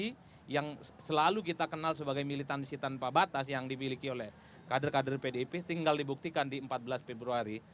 ini yang selalu kita kenal sebagai militansi tanpa batas yang dimiliki oleh kader kader pdip tinggal dibuktikan di empat belas februari